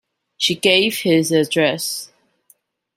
She gave his address.